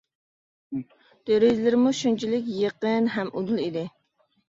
دېرىزىلىرىمۇ شۇنچىلىك يېقىن ھەم ئۇدۇل ئىدى.